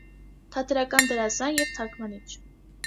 Թատերական դերասան եւ թարգմանիչ։